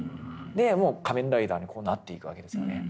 でもう仮面ライダーになっていくわけですよね。